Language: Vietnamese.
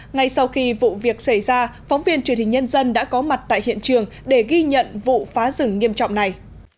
ngay sau khi vụ việc xảy ra phóng viên truyền hình nhân dân đã có mặt tại hiện trường để ghi nhận vụ phá rừng nghiêm trọng này